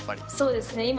そうですね